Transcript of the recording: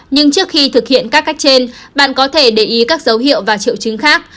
nhưng trước khi thực hiện các cách trên bạn có thể để ý các dấu hiệu và triệu chứng khác